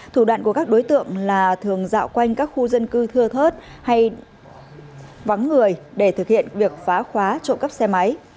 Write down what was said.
thủ đoạn của các đối tượng là thường dạo quanh các khu dân cư thưa thớt hay vắng người để thực hiện việc phá khóa trộm cắp xe máy